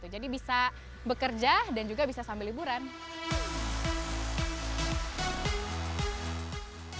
jadi bisa bekerja dan juga bisa sambil liburan